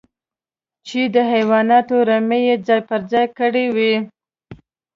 چې د حيواناتو رمې يې ځای پر ځای کړې وې.